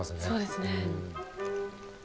そうですね。